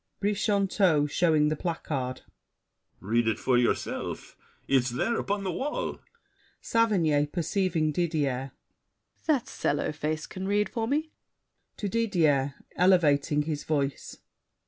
BRICHANTEAU (showing the placard). Read it for yourself. It's there, Upon the wall. SAVERNY (perceiving Didier). That sallow face can read For me. [To Didier, elevating his voice.